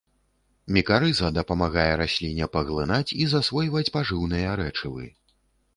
Мікарыза дапамагае расліне паглынаць і засвойваць пажыўныя рэчывы.